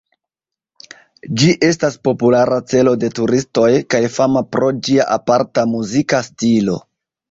Ĝi estas populara celo de turistoj, kaj fama pro ĝia aparta muzika stilo.